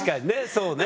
そうね。